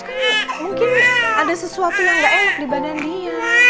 kayak mungkin ada sesuatu yang gak enak di badan dia